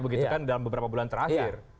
begitu kan dalam beberapa bulan terakhir